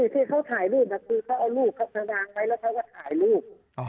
ที่เขาถ่ายรูปคือเขาเอารูปเขามาวางไว้แล้วเขาก็ถ่ายรูป